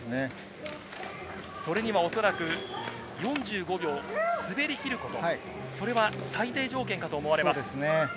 それにはおそらく４５秒を滑りきること、それは最低条件かと思われます。